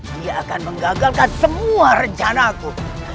dia akan menggagalkan semua rencanaku